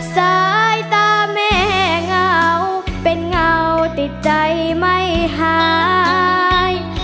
สายตาแม่เหงาเป็นเงาติดใจไม่หาย